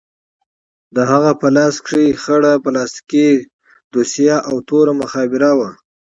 د هغه په لاس کښې خړه پلاستيکي دوسيه او توره مخابره وه.